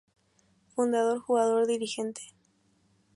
Fundador, Jugador, Dirigente.